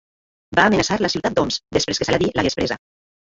Va amenaçar la ciutat d'Homs, després que Saladí l'hagués presa.